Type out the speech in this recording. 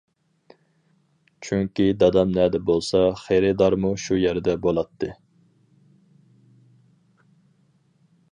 چۈنكى دادام نەدە بولسا، خېرىدارمۇ شۇ يەردە بولاتتى.